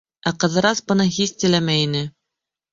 Ә Ҡыҙырас быны һис теләмәй ине.